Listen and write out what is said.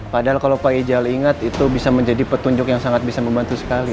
padahal kalau pak ijal ingat itu bisa menjadi petunjuk yang sangat bisa membantu sekali